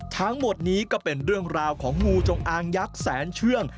ทั้งหมดนี้ก็เป็นเรื่องราวของงูจงอางยักษ์แสนเชื่อง